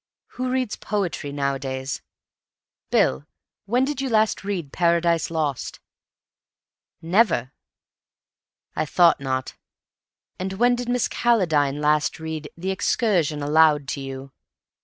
Who reads poetry nowadays? Bill, when did you last read 'Paradise Lost'?" "Never." "I thought not. And when did Miss Calladine last read 'The Excursion' aloud to you?"